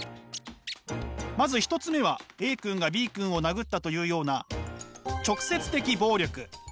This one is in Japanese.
まず１つ目はＡ君がＢ君を殴ったというような直接的暴力。